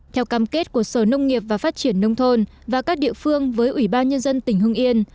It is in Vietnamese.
theo cam kết của sở nông nghiệp và phát triển nông thôn và các địa phương với ủy ban nhân dân tỉnh hưng yên